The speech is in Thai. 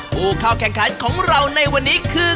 ผู้เข้าแข่งขันของเราในวันนี้คือ